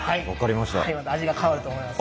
また味が変わると思います。